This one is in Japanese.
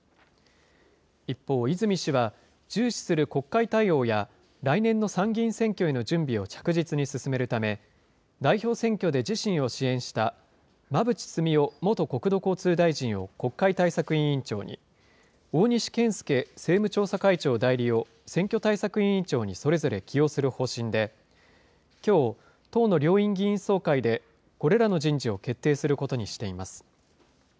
一方、泉氏は重視する国会対応や、来年の参議院選挙への準備を着実に進めるため、代表選挙で自身を支援した馬淵澄夫元国土交通大臣を国会対策委員長に、大西健介政務調査会長代理を選挙対策委員長にそれぞれ起用する方針で、きょう、党の両院議員総会で、これらの人事を決定することにしています。